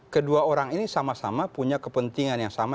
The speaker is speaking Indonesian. kedua orang ini sama sama punya kepentingan yang sama